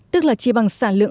tức là chỉ bằng sản lượng